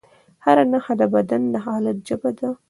هره نښه د بدن د حالت ژبه ده.